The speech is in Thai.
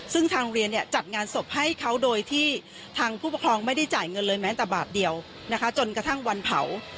ซึ่งทางโรงเรียนจัดงานศพให้เขาโดยที่ทางผู้ปกครองไม่ได้จ่ายเงินเลยแม้แต่บาทเดียวนะคะจนกระทั่งวันเผา